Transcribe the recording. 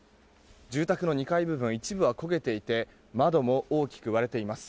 住宅の２階部分一部は焦げていて窓も大きく割れています。